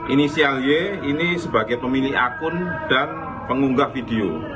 inisial y ini sebagai pemilik akun dan pengunggah video